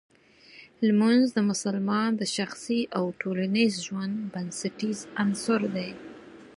لمونځ د مسلمان د شخصي او ټولنیز ژوند بنسټیز عنصر دی.